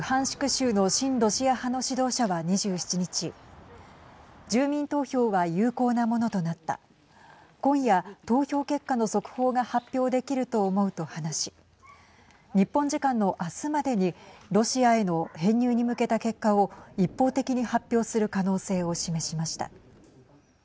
州の親ロシア派の指導者は２７日住民投票は有効なものとなった今夜、投票結果の速報が発表できると思うと話し日本時間の明日までにロシアへの編入に向けた結果を一方的に発表する可能性を示しました。